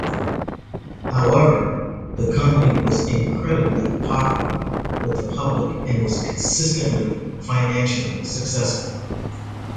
However, the company was incredibly popular with the public and was consistently financially successful.